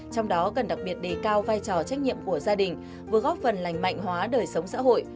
trong đó cần đặc biệt đề cao vai trò trách nhiệm của gia đình vừa góp phần lành mạnh hóa đời sống xã hội